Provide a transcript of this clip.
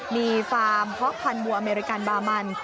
มีฟาร์มฮอกพันมัวอเมริกันบามัน